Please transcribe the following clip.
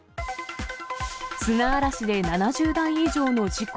砂嵐で７０台以上の事故。